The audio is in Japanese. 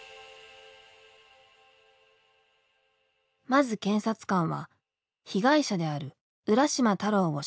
まず検察官は被害者である浦島太郎を証人に呼んだ。